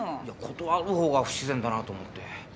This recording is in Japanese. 断る方が不自然だなと思って。